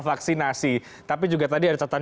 vaksinasi tapi juga tadi ada catatan